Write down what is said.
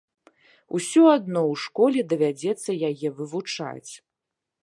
Усё адно ў школе давядзецца яе вывучаць!